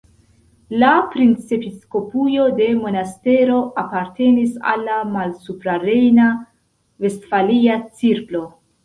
La princepiskopujo de Monastero apartenis al la Malsuprarejna-Vestfalia cirklo.